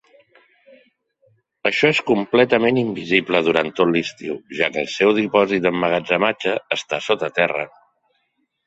Això és completament invisible durant tot l'estiu, ja que el seu dipòsit d'emmagatzematge està sota terra.